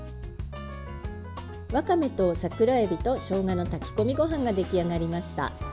わかめと桜えびとしょうがの炊き込みご飯が出来上がりました。